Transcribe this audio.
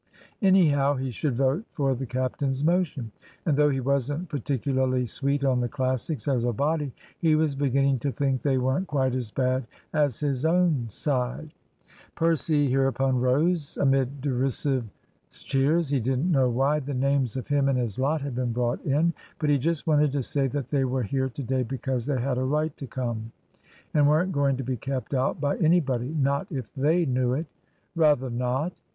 Anyhow, he should vote for the captain's motion; and though he wasn't particularly sweet on the Classics as a body, he was beginning to think they weren't quite as bad as his own side. Percy hereupon rose, amid derisive cheers. He didn't know why the names of him and his lot had been brought in; but he just wanted to say that they were here to day because they had a right to come, and weren't going to be kept out by anybody not if they knew it. (Rather not!)